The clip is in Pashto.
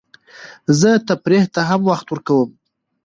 زه تفریح ته هم وخت ورکوم.